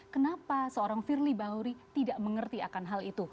kenapa seorang firly bahuri tidak mengerti akan hal itu